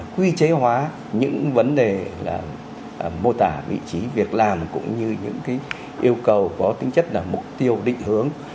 quy chế hóa những vấn đề là mô tả vị trí việc làm cũng như những yêu cầu có tính chất là mục tiêu định hướng